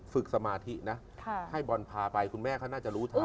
สมาธินะให้บอลพาไปคุณแม่เขาน่าจะรู้ทัน